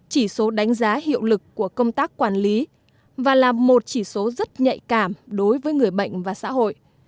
chỉ số đánh giá hiệu lực của công tác quản lý và là một chỉ số rất nhạy cảm đối với người bệnh và xã hội